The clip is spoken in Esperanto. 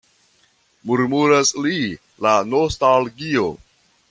Murmuras li, la nostalgio!